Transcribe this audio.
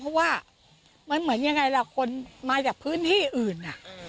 เพราะว่ามันเหมือนยังไงล่ะคนมาจากพื้นที่อื่น